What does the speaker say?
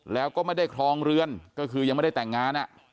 แล้วก็ไม่ได้ครองเรือนก็คือยังไม่ได้แต่งงาน